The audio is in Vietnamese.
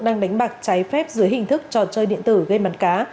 đang đánh bạc trái phép dưới hình thức trò chơi điện tử gây bán cá